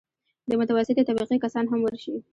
د متوسطې طبقې کسان هم ورشي.